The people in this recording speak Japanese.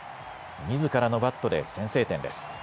みずからのバットで先制点です。